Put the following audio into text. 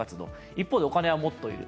一方でお金はもっと要る。